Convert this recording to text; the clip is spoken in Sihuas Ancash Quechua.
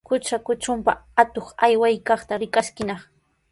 Qutra kutrunpa atuq aywaykaqta rikaskinaq.